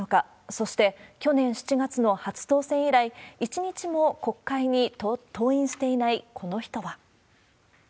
そして、去年７月の初当選以来、一日も国会に登院していないこの人は。